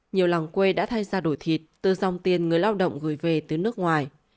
nhiều lòng quê đã thay ra đổi thịt từ dòng tiền người lao động gửi về tới nước ngoài